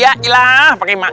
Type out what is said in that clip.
iya ilah pake maket